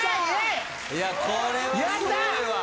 これはすごいわ。